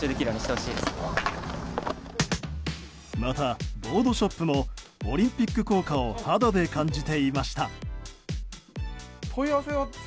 また、ボードショップもオリンピック効果を肌で感じていました。